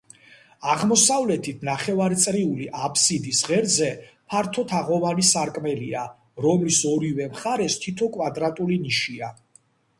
აღმოსავლეთით, ნახევარწრიული აბსიდის ღერძზე, ფართო თაღოვანი სარკმელია, რომლის ორივე მხარეს თითო კვადრატული ნიშია.